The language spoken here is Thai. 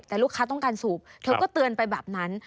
แต่ลูกค้าต้องการสูบเธอก็เตือนไปแบบนั้น